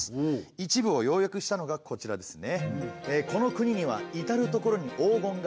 一部を要約したのがこちらですね。